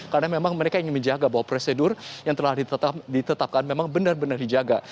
karena memang mereka ingin menjaga bahwa prosedur yang telah ditetapkan memang benar benar dijaga